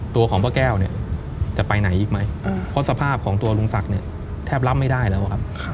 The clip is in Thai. ตัวของป้าแก้วเนี่ยจะไปไหนอีกไหมเพราะสภาพของตัวลุงศักดิ์เนี่ยแทบรับไม่ได้แล้วครับ